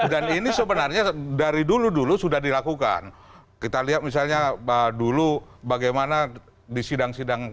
dan ini sebenarnya dari dulu dulu sudah dilakukan kita lihat misalnya dulu bagaimana di sidang sidang